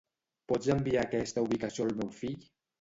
Pots enviar aquesta ubicació al meu fill?